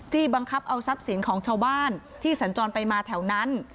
บังคับเอาทรัพย์สินของชาวบ้านที่สัญจรไปมาแถวนั้น